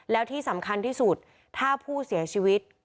แล้วที่สำคัญที่สุดถ้าผู้เสียชีวิต